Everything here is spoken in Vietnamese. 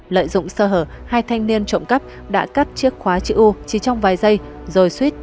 lợi dụng sơ hở hai thanh niên trộm cắp đã cắt chiếc khóa chữ u chỉ trong vài giây rồi suýt